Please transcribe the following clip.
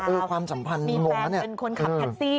เออความสัมพันธ์งงนะนี่มีแฟนเป็นคนขับแท็กซี่